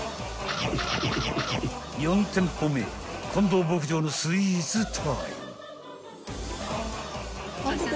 ［４店舗目近藤牧場のスイーツタイム］